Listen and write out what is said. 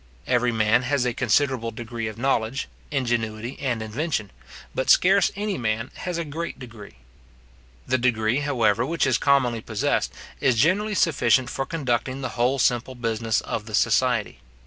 Every man has a considerable degree of knowledge, ingenuity, and invention but scarce any man has a great degree. The degree, however, which is commonly possessed, is generally sufficient for conducting the whole simple business of the society.